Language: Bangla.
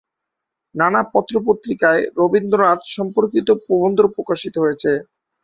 নানা পত্রপত্রিকায় রবীন্দ্রনাথ সম্পর্কিত প্রবন্ধ প্রকাশিত হয়েছে।